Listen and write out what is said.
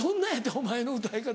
お前の歌い方。